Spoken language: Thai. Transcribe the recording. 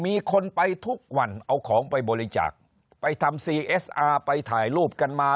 มีคนไปทุกวันเอาของไปบริจาคไปทำซีเอสอาร์ไปถ่ายรูปกันมา